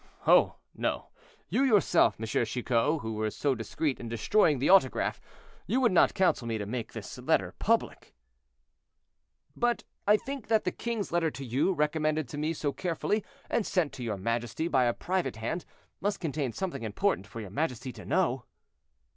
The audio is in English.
"Oh! no; you yourself, M. Chicot, who were so discreet in destroying the autograph, you would not counsel me to make this letter public?" "But I think that the king's letter to you, recommended to me so carefully, and sent to your majesty by a private hand, must contain something important for your majesty to know."